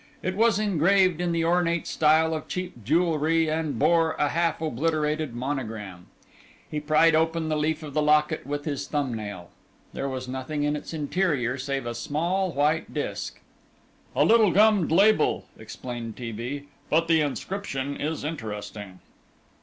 It was engraved in the ornate style of cheap jewellery and bore a half obliterated monogram. He pried open the leaf of the locket with his thumbnail. There was nothing in its interior save a small white disc. "A little gummed label," explained T. B., "but the inscription is interesting."